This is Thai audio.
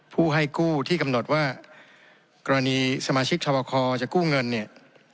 ผู้ให้กู้ที่กำหนดว่ากรณีสมาชิกทบคจะกู้เงินเนี่ย